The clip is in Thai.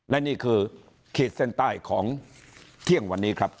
และนี่คือขีดเส้นใต้ของเที่ยงวันนี้ครับ